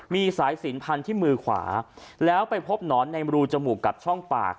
มีสายสินพันที่มือขวาแล้วไปพบหนอนในรูจมูกกับช่องปาก